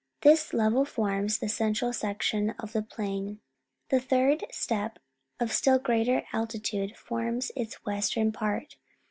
This level forms the central section of the plain. A third steppe of still greater altitude forms its western part.